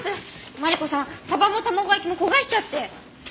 マリコさん鯖も卵焼きも焦がしちゃって。